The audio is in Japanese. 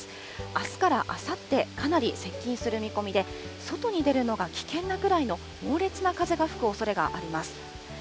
あすからあさって、かなり接近する見込みで、外に出るのが危険なぐらいの猛烈な風が吹くおそれがあります。